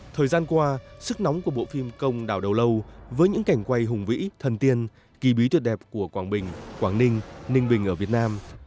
thời gian qua sức nóng của bộ phim công đảo đầu lâu với những cảnh quay hùng vĩ thần tiên kỳ bí tuyệt đẹp của quảng bình quảng ninh ninh bình ở việt nam